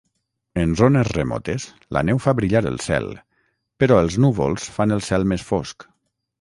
En zones remotes la neu fa brillar el cel, però els núvols fan el cel més fosc.